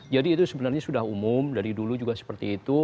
jadi itu sebenarnya sudah umum dari dulu juga seperti itu